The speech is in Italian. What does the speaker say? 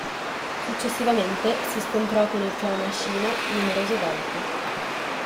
Successivamente si scontrò con il clan Ashina numerose volte.